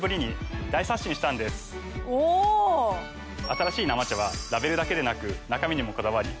新しい生茶はラベルだけでなく中身にもこだわり。